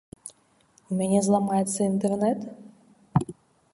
У мяне зламаецца інтэрнэт?